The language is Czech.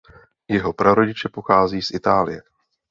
Jeho prarodiče pochází z Itálie.